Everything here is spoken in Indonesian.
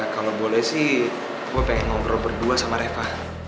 kalau boleh sih gue pengen ngobrol berdua sama reva